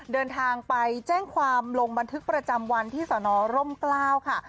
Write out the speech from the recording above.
เดินทางไปแจ้งความลงบันทึกประจำวันที่สนร่มกล้าวค่ะ